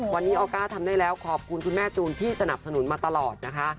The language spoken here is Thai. วันนี้ออก้าทำได้แล้วขอบคุณคุณแม่จูนที่สนับสนุนมาตลอดนะคะ